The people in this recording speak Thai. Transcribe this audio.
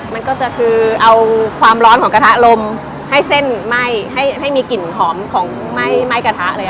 มันก็จะคือเอาความร้อนของกระทะลมให้เส้นไหม้ให้มีกลิ่นหอมของไหม้กระทะเลย